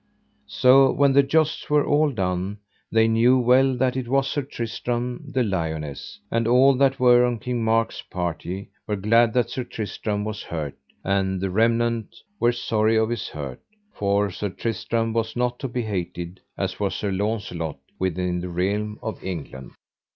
So when the jousts were all done they knew well that it was Sir Tristram de Liones; and all that were on King Mark's party were glad that Sir Tristram was hurt, and the remnant were sorry of his hurt; for Sir Tristram was not so behated as was Sir Launcelot within the realm of England.